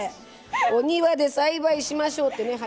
お庭で栽培しましょうってね。